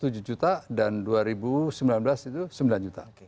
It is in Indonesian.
dua ribu delapan belas tujuh juta dan dua ribu sembilan belas itu sembilan juta